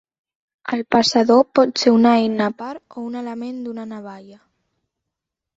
El passador pot ser una eina a part o un element d'una navalla.